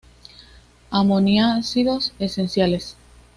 Aminoácidos esenciales